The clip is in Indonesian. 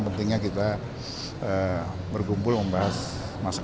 pentingnya kita berkumpul membahas masalah